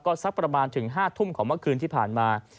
ก็สักประมาณถึง๕ทุ่มของเมื่อคืนที่ผ่านมา